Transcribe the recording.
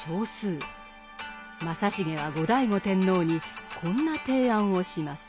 正成は後醍醐天皇にこんな提案をします。